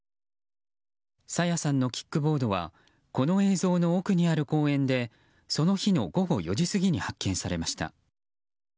朝芽さんのキックボードはこの映像の奥にある公園でその日の午後４時過ぎに発見されました。